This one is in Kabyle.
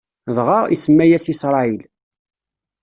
Dɣa, isemma-yas Isṛayil.